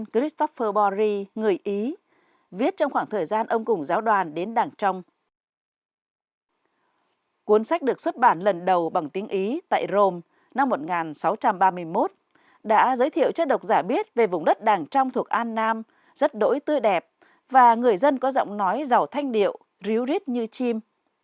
cuốn sách được xuất bản lần đầu bằng tiếng ý tại rome năm một nghìn sáu trăm ba mươi một đã giới thiệu cho độc giả biết về vùng đất đảng trong thuộc an nam rất đỗi tư đẹp và người dân có giọng nói giàu thanh điệu ríu riết như chim